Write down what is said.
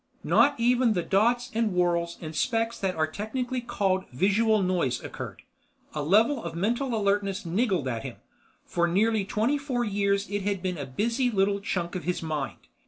Not even the dots and whorls and specks that are technically called "Visual noise" occurred. A level of mental alertness niggled at him; for nearly twenty four years it had been a busy little chunk of his mind.